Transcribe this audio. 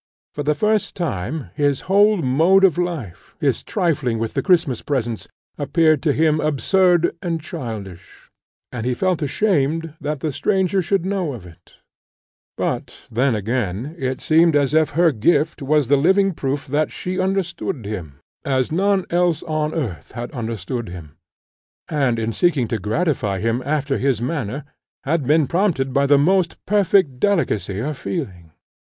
For the first time his whole mode of life, his trifling with the Christmas presents, appeared to him absurd and childish, and he felt ashamed that the stranger should know of it; but then again it seemed as if her gift was the living proof that she understood him, as none else on earth had understood him, and, in seeking to gratify him after this manner, had been prompted by the most perfect delicacy of feeling.